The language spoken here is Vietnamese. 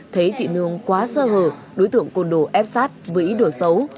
thấy chị nương quá sơ hờ đối tượng còn đổ ép sát với ý đồ xấu